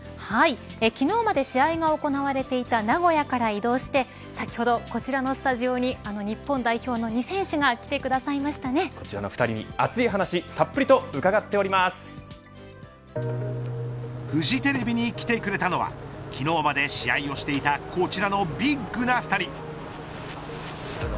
昨日まで試合が行われていた名古屋から移動して先ほど、こちらのスタジオにあの日本代表の２選手がこちらの２人に熱い話フジテレビに来てくれたのは昨日まで試合をしていたこちらのビッグな２人。